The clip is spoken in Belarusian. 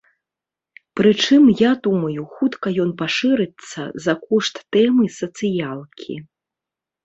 Прычым, я думаю, хутка ён пашырыцца за кошт тэмы сацыялкі.